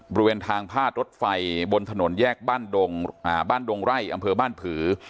บริเวณทางพาดรถไฟบนถนนแยกบ้านดงบ้านดงไร่อำเภอบ้านผือ